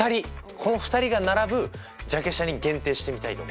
この２人が並ぶジャケ写に限定してみたいと思います。